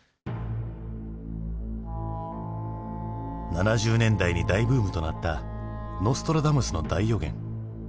７０年代に大ブームとなった「ノストラダムスの大予言」。